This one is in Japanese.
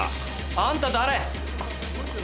あんた誰？